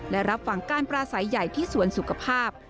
และรับฟังการปราศัยใหญ่ที่สวนสุขภาพ